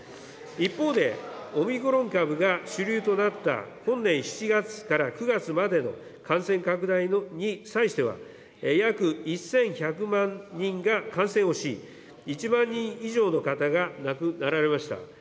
一方で、オミクロン株が主流となった、本年７月から９月までの感染拡大に際しては、約１１００万人が感染をし、１万人以上の方が亡くなられました。